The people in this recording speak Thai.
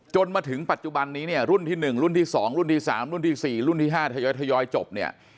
จนถึงปัจจุบันนี้เนี่ยรุ่นที่๑รุ่นที่๒รุ่นที่๓รุ่นที่๔รุ่นที่๕ทยอยจบเนี่ย